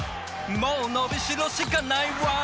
もう伸びしろしかないわ！